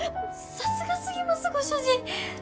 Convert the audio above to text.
さすが過ぎますご主人！